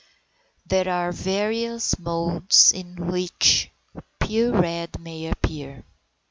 There are various modes in which pure red may appear.